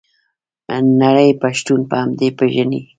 نړۍ پښتون په همدې پیژني.